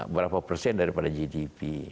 berapa persen daripada gdp